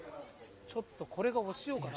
ちょっと、これがお塩かな。